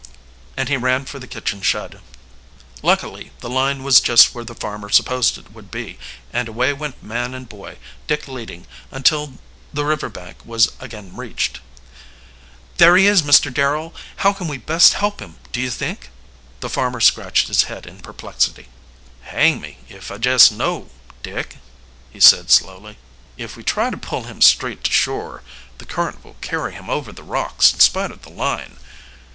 and he ran for the kitchen shed. Luckily the line was just where the farmer supposed it would be, and away went man and boy, Dick leading, until the river bank was again reached. "There he is, Mr. Darrel. How can we best help him, do you think?" The farmer scratched his head in perplexity. "Hang me if I jess know, Dick," he said slowly. "If we try to pull him straight to shore the current will carry him over the rocks in spite of the line."